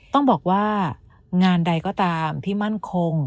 ต้องบอกว่างานใดก็ตามที่มั่นคง